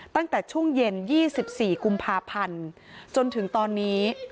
ตั้งแต่ช่วงเย็น๒๔กุมภาพันธ์จนถึงตอนนี้